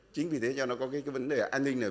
chính vì thế cho nó có cái vấn đề an ninh này